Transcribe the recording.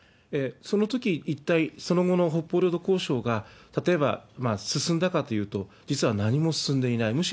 そのとき、一体その後の北方領土交渉が、例えば進んだかというと、実は何も進んでいない。